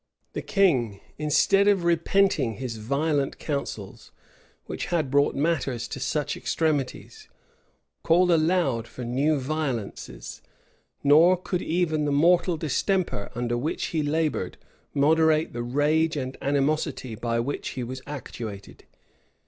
{1574.} The king, instead of repenting his violent counsels, which had brought matters to such extremities, called aloud for new violences;[] nor could even the mortal distemper, under which he labored, moderate the rage and animosity by which he was actuated.